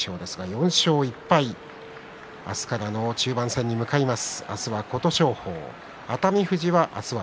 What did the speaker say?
４勝１敗、明日からの中盤戦に向かいます。